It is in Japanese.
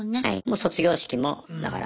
卒業式もだから。